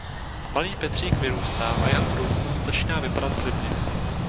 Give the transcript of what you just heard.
Malý Petřík vyrůstá a jeho budoucnost začíná vypadat slibně.